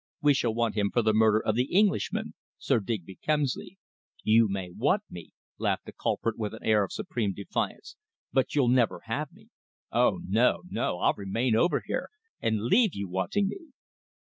We shall want him for the murder of the Englishman, Sir Digby Kemsley." "You may want me," laughed the culprit with an air of supreme defiance, "but you'll never have me! Oh, no, no! I'll remain over here, and leave you wanting me."